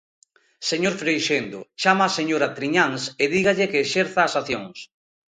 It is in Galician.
Señor Freixendo, chame á señora Triñáns e dígalle que exerza as accións.